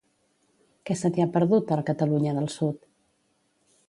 Què se t'hi ha perdut, a la Catalunya del sud?